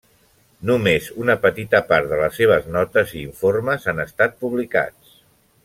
Només una petita part de les seves notes i informes han estat publicats.